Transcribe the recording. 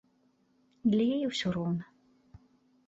Для яе ўсё роўна!